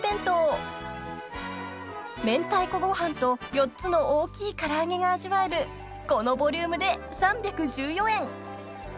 ［明太子ご飯と４つの大きい唐揚げが味わえるこのボリュームで３１４円］